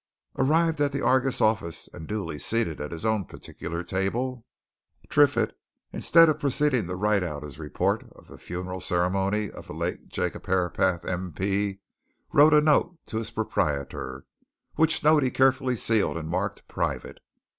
Arrived at the Argus office and duly seated at his own particular table, Triffitt, instead of proceeding to write out his report of the funeral ceremony of the late Jacob Herapath, M.P., wrote a note to his proprietor, which note he carefully sealed and marked "Private."